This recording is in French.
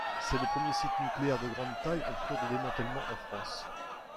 C'est le premier site nucléaire de grande taille en cours de démantèlement en France.